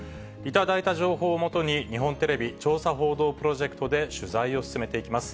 頂いた情報をもとに、日本テレビ調査報道プロジェクトで取材を進めていきます。